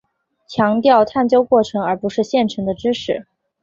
强调探究过程而不是现成的知识。